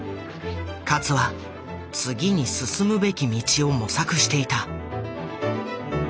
勝は次に進むべき道を模索していた。